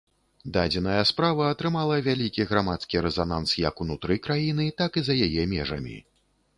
Дадзеная справа атрымала вялікі грамадскі рэзананс як унутры краіны, так і за яе межамі.